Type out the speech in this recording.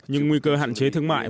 nhưng nguy cơ hạn chế thương mại